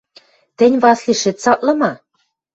Тӹнь, Васли, шӹц цаклы ма?